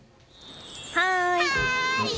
はい！